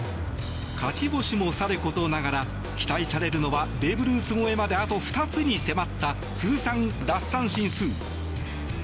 勝ち星もさることながら期待されるのはベーブ・ルース超えまであと２つに迫った通算奪三振数。